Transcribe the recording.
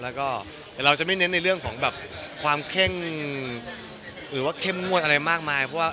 แล้วก็แต่เราจะไม่เน้นในเรื่องของแบบความเข้มหรือว่าเข้มงวดอะไรมากมายเพราะว่า